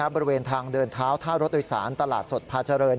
บริเวณทางเดินเท้าท่ารถโดยสารตลาดสดพาเจริญ